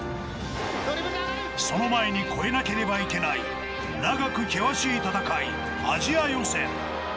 その前に超えなければいけない、長く険しい戦い、アジア予選。